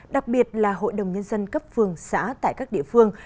đặc biệt là hội đồng nhân dân cấp phường xã tại các địa phương